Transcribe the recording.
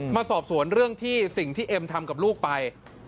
มาสอบสวนเรื่องที่สิ่งที่เอ็มทำกับลูกไป